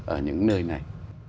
ở những nơi này